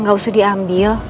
gak usah diambil